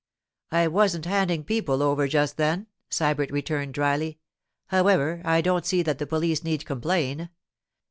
'I wasn't handing people over just then,' Sybert returned dryly. 'However, I don't see that the police need complain.